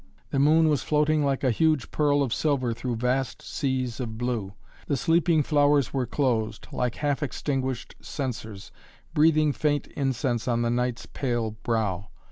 The moon was floating like a huge pearl of silver through vast seas of blue. The sleeping flowers were closed, like half extinguished censers, breathing faint incense on the night's pale brow.